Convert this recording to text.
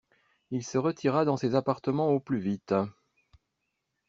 Il se retira dans ses appartements au plus vite.